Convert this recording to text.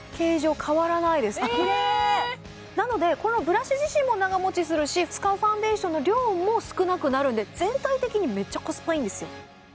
キレイなのでこのブラシ自身も長もちするし使うファンデーションの量も少なくなるので全体的にめっちゃコスパいいんですよ